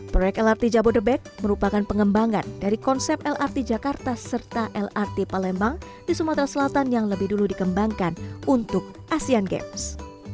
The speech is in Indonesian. proyek lrt jabodebek merupakan pengembangan dari konsep lrt jakarta serta lrt palembang di sumatera selatan yang lebih dulu dikembangkan untuk asean games